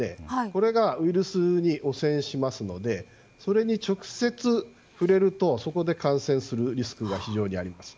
これがウイルスに汚染しますのでそれに直接触れるとそこで感染するリスクがあります。